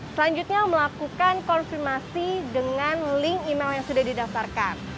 selanjutnya melakukan konfirmasi dengan link email yang sudah didaftarkan